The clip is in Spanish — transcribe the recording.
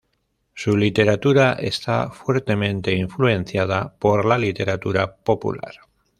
Su literatura está fuertemente influenciada por la literatura popular.